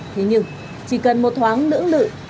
thì nhưng chỉ cần một thoáng nưỡng lự